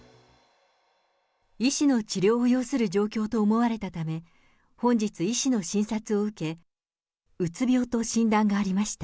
医師の治療を要する状況と思われたため、本日、医師の診察を受け、うつ病と診断がありました。